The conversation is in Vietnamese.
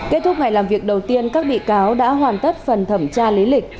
kết thúc ngày làm việc đầu tiên các bị cáo đã hoàn tất phần thẩm tra lý lịch